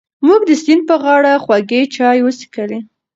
موږ د سیند په غاړه خوږې چای وڅښلې.